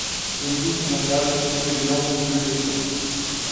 Il existe un emballage rouge et blanc ou bleu et blanc.